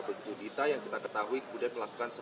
begitu dita yang kita ketahui kemudian melakukan